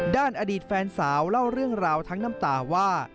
อดีตแฟนสาวเล่าเรื่องราวทั้งน้ำตาว่า